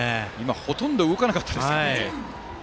ほとんど動かなかったですね。